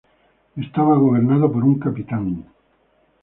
Estaba gobernado por un "capitán".